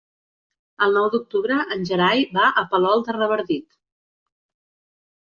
El nou d'octubre en Gerai va a Palol de Revardit.